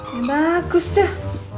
ya bagus tuh